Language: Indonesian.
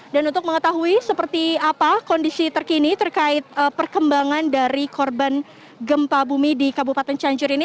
dan untuk mengetahui seperti apa kondisi terkini terkait perkembangan dari korban gempa bumi di kabupaten cianjur ini